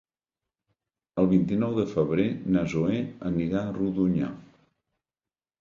El vint-i-nou de febrer na Zoè anirà a Rodonyà.